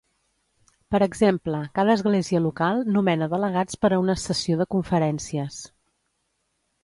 Per exemple, cada església local nomena delegats per a una sessió de conferències.